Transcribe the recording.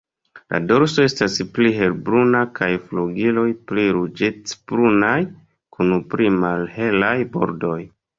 La dorso estas pli helbruna kaj la flugiloj pli ruĝecbrunaj kun pli malhelaj bordoj.